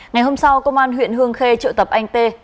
ngày hôm sau công an huyện hương khê trợ tập anh t